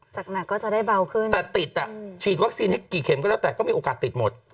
ใช่คือฉีดอะไรก็ติดได้หมด